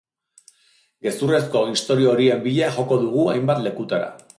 Gezurrezko istorio horien bila joko dugu hainbat lekutara.